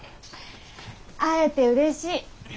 会えてうれしい。